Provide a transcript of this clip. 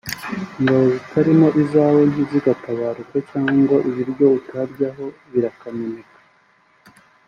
‘Ingabo zitarimo izawe ntizigatabaruke’ cyangwa ‘ngo ibiryo utaryaho birakameneka’